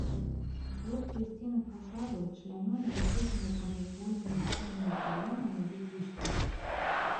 Плоскія сцены фасадаў члянёны высокімі прамавугольнымі аконнымі праёмамі без ліштваў.